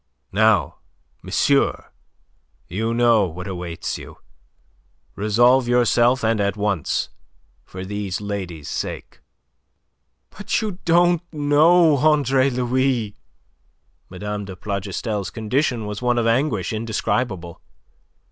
Now, monsieur, you know what awaits you. Resolve yourself and at once, for these ladies' sake." "But you don't know, Andre Louis!" Mme. de Plougastel's condition was one of anguish indescribable.